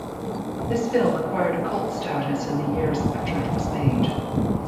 This film acquired a cult status in the years after it was made.